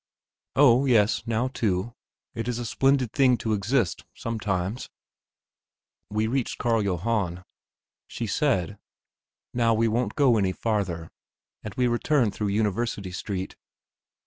"Oh yes; now too. It is a splendid thing to exist sometimes." We reached Carl Johann. She said: "Now we won't go any farther," and we returned through University Street.